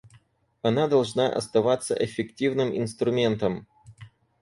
Она должна оставаться эффективным инструментом.